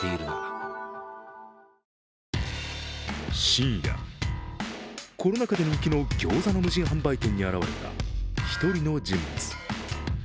深夜、コロナ禍で人気のギョーザの無人販売店に現れた一人の人物。